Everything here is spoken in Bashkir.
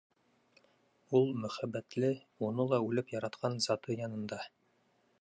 Ул мөхәббәтле, уны ла үлеп яратҡан заты янында.